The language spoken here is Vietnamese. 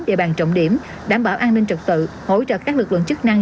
địa bàn trọng điểm đảm bảo an ninh trật tự hỗ trợ các lực lượng chức năng